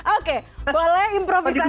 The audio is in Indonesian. oke boleh improvisasi nada